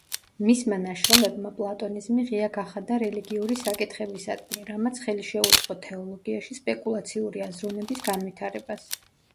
მისმა ნაშრომებმა პლატონიზმი ღია გახადა რელიგიური საკითხებისადმი, რამაც ხელი შეუწყო თეოლოგიაში სპეკულაციური აზროვნების განვითარებას.